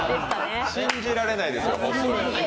信じられないですよ。